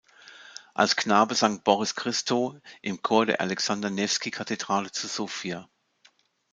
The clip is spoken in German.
Als Knabe sang Boris Christow im Chor der Alexander-Newski-Kathedrale zu Sofia.